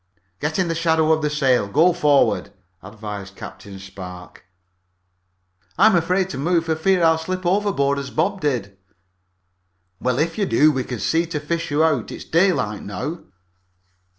"Get in the shadow of the sail. Go forward," advised Captain Spark. "I'm afraid to move for fear I'll slip overboard as Bob did." "Well, if you do we can see to fish you out. It's daylight now."